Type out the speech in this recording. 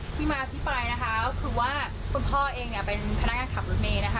ที่มาที่ไปนะคะก็คือว่าคุณพ่อเองเนี่ยเป็นพนักงานขับรถเมย์นะคะ